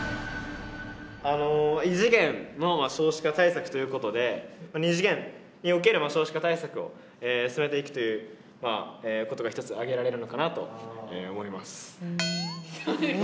異次元の少子化対策ということで２次元における少子化対策を進めていくということが１つ挙げられるのかなと思います。